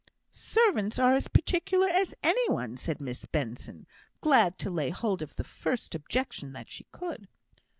"Servants are as particular as any one," said Miss Benson, glad to lay hold of the first objection that she could.